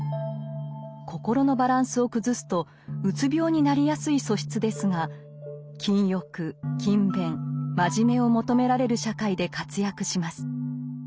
心のバランスを崩すとうつ病になりやすい素質ですが禁欲勤勉真面目を求められる社会で活躍します。